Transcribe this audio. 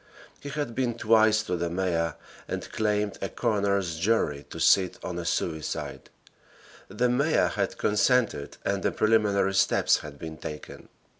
He had been twice to the mayor and claimed a coroner's jury to sit on a suicide. The mayor had consented and the preliminary steps had been taken.